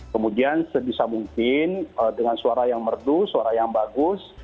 kemudian sebisa mungkin dengan suara yang merdu suara yang bagus